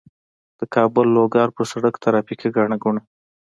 د کابل- لوګر په سړک ترافیکي ګڼه ګوڼه